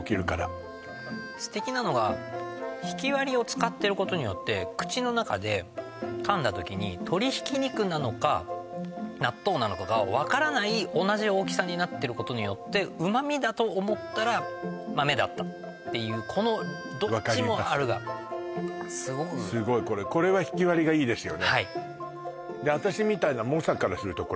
ステキなのがひきわりを使ってることによって口の中で噛んだ時に鶏挽肉なのか納豆なのかが分からない同じ大きさになってることによって旨味だと思ったら豆だったっていうこの分かります「どっちもある」がすごくすごいこれこれはひきわりがいいですよねひきわり